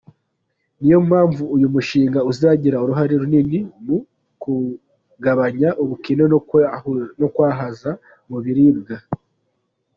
Niyo mpamvu uyu mushinga uzagira uruhare runini mu kugabanya ubukene no kwihaza mu biribwa.